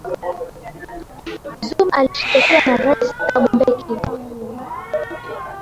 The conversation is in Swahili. zuma alishtakiwa na rais thabo mbeki